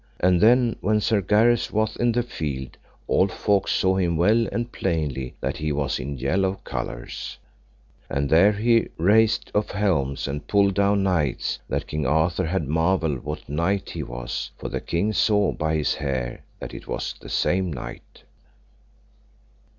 And then when Sir Gareth was in the field all folks saw him well and plainly that he was in yellow colours; and there he rased off helms and pulled down knights, that King Arthur had marvel what knight he was, for the king saw by his hair that it was the same knight.